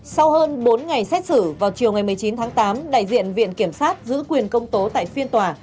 sau hơn bốn ngày xét xử vào chiều một mươi chín tháng tám đại diện viện kiểm sát giữ quyền công tố tại phiên tòa